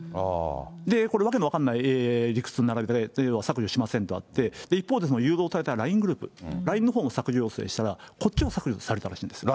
これ、訳の分からない理屈並べられて削除しませんとあって、一方で誘導されたＬＩＮＥグループ、ＬＩＮＥのほうも削除要請したら、こっちは削除されたらしいんです。